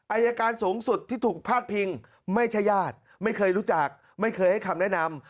อายการสูงสุดที่ถูกพาดพิงไม่ใช่ญาติไม่เคยรู้จักไม่เคยให้คำแนะนำ